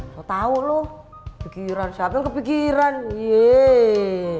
soal tau loh kepikiran siapa yang kepikiran yeee